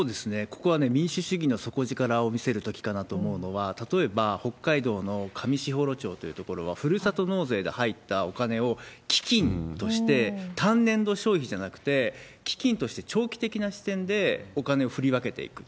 ここは民主主義の底力を見せるときかなと思うのは、例えば北海道の上士幌町という所は、ふるさと納税で入ったお金を、基金として、単年度消費じゃなくて、基金として長期的な視点でお金を振り分けていく。